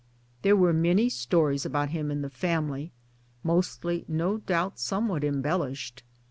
There were rriany stories about him in the family, mostly no doubt somewhat em bellished.